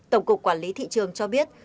tổng cục quản lý thị trường cho việt nam